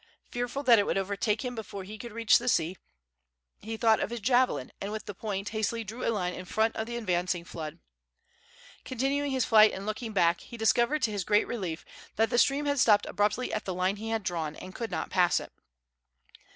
Fearful that it would overtake him before he could reach the sea, he thought of his javelin, and with the point hastily drew a line in front of the advancing flood. Continuing his flight and looking back, he discovered, to his great relief, that the stream had stopped abruptly at the line he had drawn, and could not pass it.